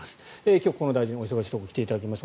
今日、河野大臣お忙しいところ来ていただきました。